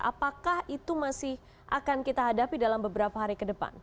apakah itu masih akan kita hadapi dalam beberapa hari ke depan